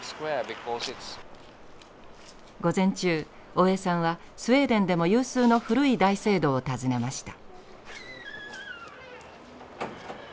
午前中大江さんはスウェーデンでも有数の古い大聖堂を訪ねました。